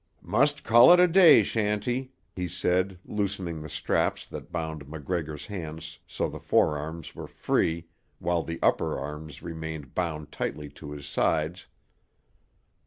"Must call it a day, Shanty," he said, loosening the straps that bound MacGregor's hands so the forearms were free while the upper arms remained bound tightly to his sides.